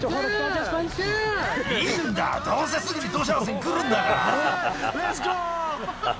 いいんだ、どうせすぐにドジャースに来るんだから。